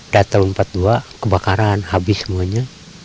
dan tahun seribu sembilan ratus empat puluh dua kebakaran habis semuanya